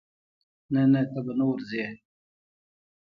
نه نه ته به نه ورزې.